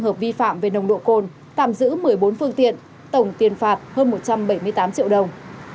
chỉ đạo của đội công an tp đã áp dụng quy trình kiểm tra nông độ cồn tạm giữ một mươi bốn phương tiện tổng tiền phạt hơn một mươi bảy triệu đồng